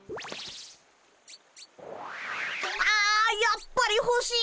あやっぱりほしい！